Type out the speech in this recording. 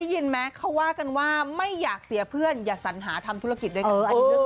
ยินไหมเขาว่ากันว่าไม่อยากเสียเพื่อนอย่าสัญหาทำธุรกิจด้วยกัน